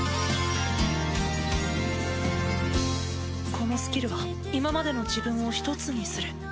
このスキルは今までの自分を一つにする。